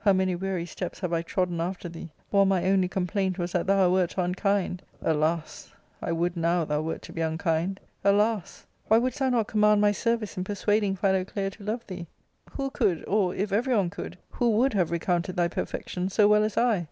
How many weary steps have I trodden after thee, while my only complaint was that thou wert un kind ! Alas ! I would now thou wert to be unkind. Alas ! why wouldst thou not command my service in persuading Philoclea to love thee ? Who could, or, if every one could, who would have recounted thy perfection so well as I